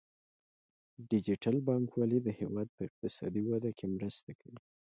ډیجیټل بانکوالي د هیواد په اقتصادي وده کې مرسته کوي.